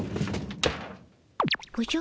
おじゃ。